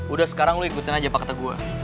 udah sekarang lo ikutin aja paket gue